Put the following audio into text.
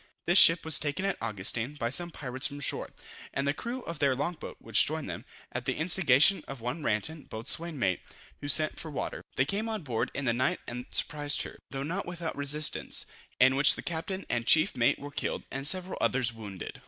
This ship was taken at Augustin, by some pirates from shore, and the crew of their long boat, which joined them, at the instigation of one Ranten, boatswain's mate, who sent for water. They came on board in the night and surprised her, though not without resistance, in which the captain and chief mate were killed, and several others wounded.